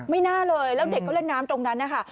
ไม่น่าเลยแล้วเด็กเขาเล่นน้ำตรงนั้นนะคะ